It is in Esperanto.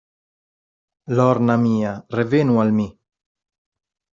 Lorna mia, revenu al mi!